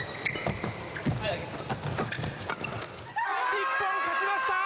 日本勝ちました！